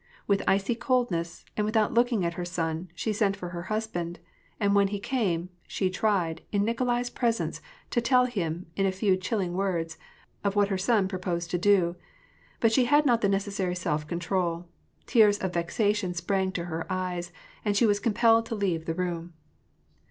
With icy coldness, and without looking at her son, she sent for her husband ; and when he came, she tried, in Nikolai's presence, to tell him, in a few chilling words, of what her son proposed to do ; but she had not the necessary self control : tears of vexa tion sprang to her eyes, and she was compelled to leave the room.